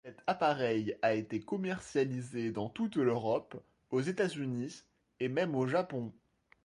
Cet appareil a été commercialisé dans toute l'Europe, aux États-Unis et même au Japon.